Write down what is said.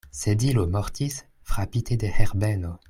Sedilo mortis, frapite de Herbeno.